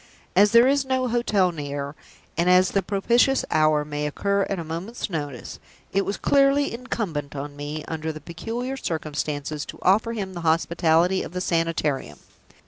As there is no hotel near, and as the propitious hour may occur at a moment's notice, it was clearly incumbent on me, under the peculiar circumstances, to offer him the hospitality of the Sanitarium.